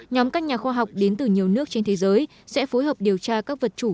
nhóm các nhà khoa học đến từ nhiều nước trên thế giới sẽ phối hợp điều tra các vật chủ